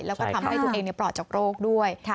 แล้วก็ทำให้ตัวเองปลอดจากโรคด้วย